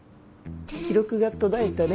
記録が途絶えたね。